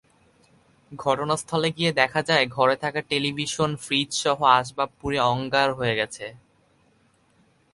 ঘটনাস্থলে গিয়ে দেখা যায়, ঘরে থাকা টেলিভিশন, ফ্রিজসহ আসবাব পুড়ে অঙ্গার হয়ে গেছে।